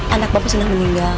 anak bapak sudah meninggal